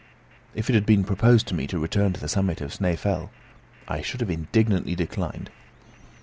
If it had been proposed to me to return to the summit of Snæfell, I should have indignantly declined.